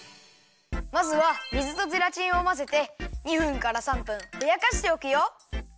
まずは水とゼラチンをまぜて２分から３分ふやかしておくよ。